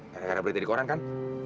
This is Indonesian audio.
gara gara berita di koran kan